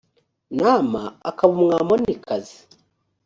nama akaba umwamonikazi